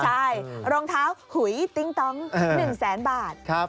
ใช่รองเท้าหุยติ๊งตอง๑แสนบาท